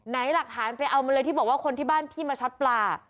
หลักฐานไปเอามาเลยที่บอกว่าคนที่บ้านพี่มาช็อตปลา